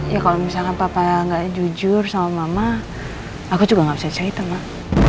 ya kalo misalkan papa yang gak jujur sama mama aku juga gak bisa cerita mak